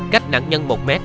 cách nạn nhân một m